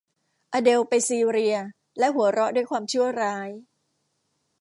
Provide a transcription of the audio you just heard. อเดลล์ไปซีเรียและหัวเราะด้วยความชั่วร้าย